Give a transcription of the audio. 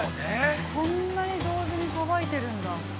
こんなに同時にさばいてるんだ。